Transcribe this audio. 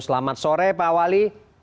selamat sore pak wali